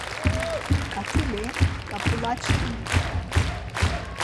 K̆atili k̆ap̆ulaçkinis ren!